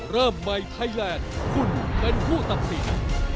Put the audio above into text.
เริ่มใหม่ไทยแลนด์คุณเป็นผู้ตัดสิน